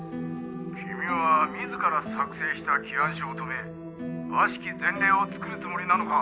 「君は自ら作成した起案書を止め悪しき前例を作るつもりなのか！」